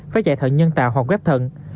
phải chạy thận nhân tạo hoặc ghép thận